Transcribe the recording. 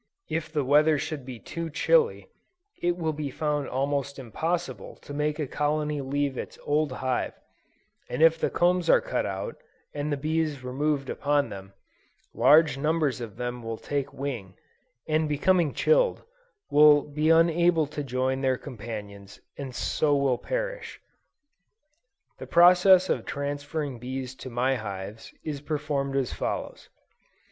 If the weather should be too chilly, it will be found almost impossible to make a colony leave its old hive, and if the combs are cut out, and the bees removed upon them, large numbers of them will take wing, and becoming chilled, will be unable to join their companions, and so will perish. The process of transferring bees to my hives, is performed as follows.